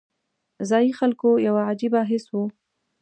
ځایي خلکو کې یو عجیبه حس و.